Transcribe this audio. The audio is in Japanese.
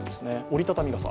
折り畳み傘。